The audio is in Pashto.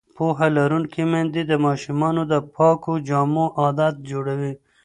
پوهه لرونکې میندې د ماشومانو د پاکو جامو عادت جوړوي.